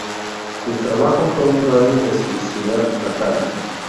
Su trabajo fue en una radio de su ciudad natal.